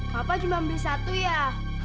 papa cuma beli satu ya